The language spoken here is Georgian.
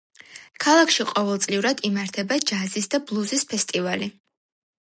ქალაქში ყოველწლიურად იმართება ჯაზის და ბლუზის ფესტივალი.